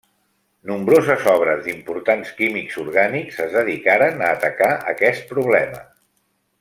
Nombroses obres d'importants químics orgànics es dedicaren a atacar aquest problema.